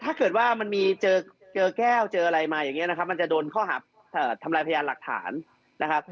ถ้าเกิดว่ามันมีเจอแก้วเจออะไรมาอย่างนี้นะครับมันจะโดนข้อหาทำลายพยานหลักฐานนะครับ